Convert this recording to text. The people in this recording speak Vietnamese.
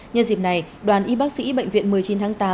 nhân dịp này đoàn y bác sĩ bệnh viện một mươi chín tháng tám